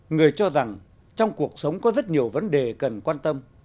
người cho rằng trong cuộc sống có rất nhiều vấn đề cần quan tâm